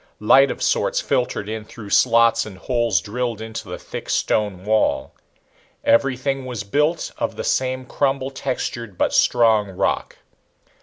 Light of sorts filtered in through slots and holes drilled into the thick stone wall. Everything was built of the same crumble textured but strong rock.